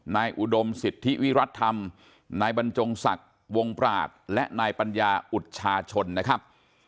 อุดมสิทธิวิรัติธรรมนายบรรจงศักดิ์วงปราศและนายปัญญาอุชาชนนะครับ